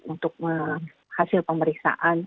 untuk hasil pemeriksaan